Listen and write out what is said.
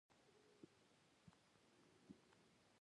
لاسونه هنر کوي